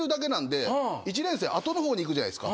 １年生後の方に行くじゃないですか。